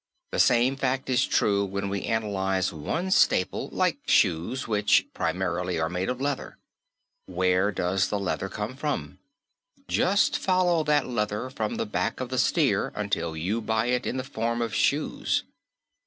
The same fact is true when we analyze one staple like shoes which, primarily, are made of leather. Where does the leather come from? Just follow that leather from the back of the steer until you buy it in the form of shoes.